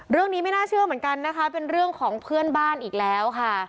ไม่น่าเชื่อเหมือนกันนะคะเป็นเรื่องของเพื่อนบ้านอีกแล้วค่ะ